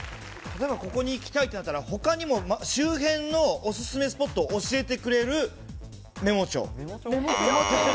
ここに行きたいってなったら、他にも周辺のおすすめスポットを教えてくれるメモ帳。